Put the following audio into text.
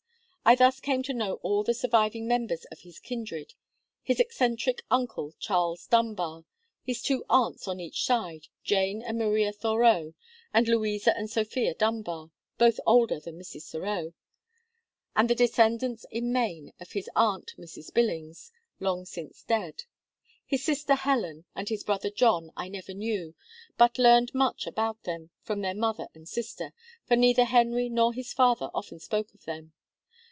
I thus came to know all the surviving members of his kindred, his eccentric uncle, Charles Dunbar, his two aunts on each side, Jane and Maria Thoreau, and Louisa and Sophia Dunbar (both older than Mrs. Thoreau), and the descendants in Maine of his aunt Mrs. Billings, long since dead. His sister Helen and his brother John I never knew, but learned much about them from their mother and sister; for neither Henry nor his father often spoke of them.